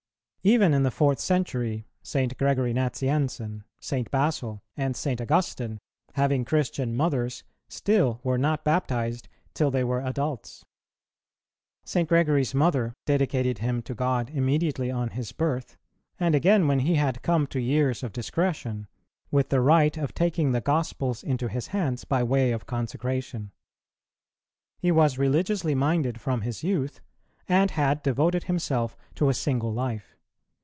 Even in the fourth century St. Gregory Nazianzen, St. Basil, and St. Augustine, having Christian mothers, still were not baptized till they were adults. St. Gregory's mother dedicated him to God immediately on his birth; and again when he had come to years of discretion, with the rite of taking the gospels into his hands by way of consecration. He was religiously minded from his youth, and had devoted himself to a single life.